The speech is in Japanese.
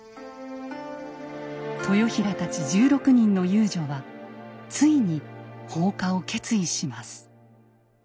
豊平たち１６人の遊女はついに放火を決意します。